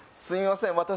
すいません